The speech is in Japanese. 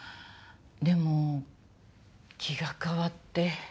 でも気が変わって。